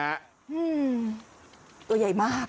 อืมตัวใหญ่มาก